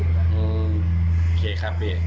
ถ้าไม่มีใครตามเราก็ตัดสินใจจะให้